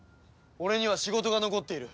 俺には仕事が残っている。